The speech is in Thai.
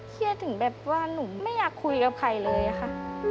ถึงแบบว่าหนูไม่อยากคุยกับใครเลยค่ะ